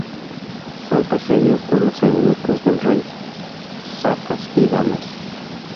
Son perseguidos por los eunucos del rey, Sacas y Damas.